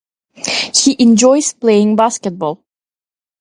He enjoys playing basketball.